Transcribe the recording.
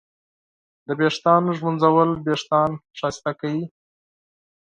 د ویښتانو ږمنځول وېښتان ښایسته کوي.